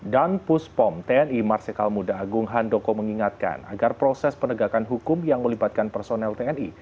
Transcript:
dan puspom tni marsikal muda agung handoko mengingatkan agar proses penegakan hukum yang melibatkan personel tni